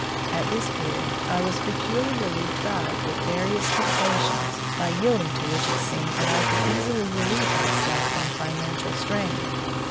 At this period I was peculiarly tried with various temptations, by yielding to which it seemed that I could easily relieve myself from financial strain.